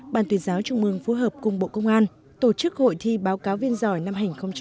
ban tuyên giáo trung ương phối hợp cùng bộ công an tổ chức hội thi báo cáo viên giỏi năm hai nghìn một mươi chín